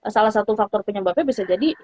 salah satu faktor penyebabnya bisa jadi